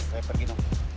saya pergi non